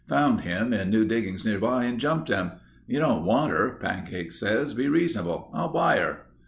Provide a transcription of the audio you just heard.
Found him in new diggings nearby and jumped him. 'You don't want her,' Pancake says. 'Be reasonable. I'll buy her.